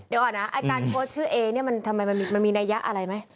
เดี๋ยวก่อนนะการโพสชื่อเอเนี่ยทำไมมันมีในยะอะไรไหม